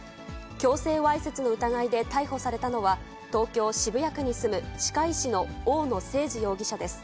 強制わいせつの疑いで逮捕されたのは、東京・渋谷区に住む、歯科医師の大野誠二容疑者です。